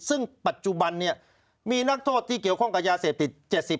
ซึ่งปัจจุบันเนี่ยมีนักโทษที่เกี่ยวข้องกับยาเสพติด๗๐